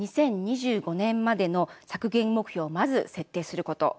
２０２５年までの削減目標をまず設定すること。